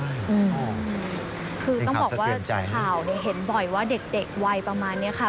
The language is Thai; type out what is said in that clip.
คือต้องบอกว่าข้าวเห็นบ่อยว่าเด็กวัยประมาณนี้ค่ะ